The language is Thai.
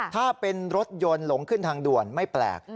ถ้าเป็นรถยนต์หลงขึ้นทางด่วนไม่แปลก